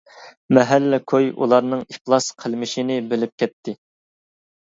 مەھەللە كوي ئۇلارنىڭ ئىپلاس قىلمىشىنى بىلىپ كەتتى.